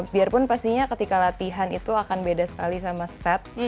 biarpun pastinya ketika latihan itu akan beda sekali sama set